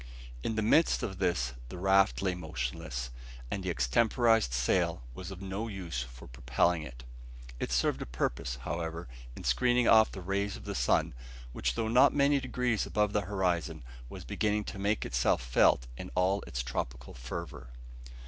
In the midst of this the raft lay motionless, and the extemporised sail was of no use for propelling it. It served a purpose, however, in screening off the rays of the sun, which, though not many degrees above the horizon, was beginning to make itself felt in all its tropical fervour.